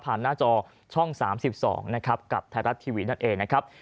หน้าจอช่อง๓๒นะครับกับไทยรัฐทีวีนั่นเองนะครับ